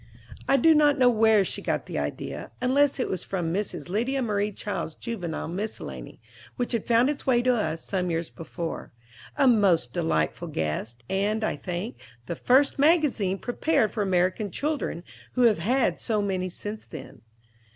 I do not know where she got the idea, unless it was from Mrs. Lydia Maria Child's "Juvenile Miscellany," which had found its way to us some years before, a most delightful guest, and, I think, the first magazine prepared for American children, who have had so many since then.